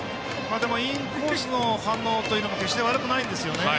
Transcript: インコースの反応というのは決して悪くないんですよね。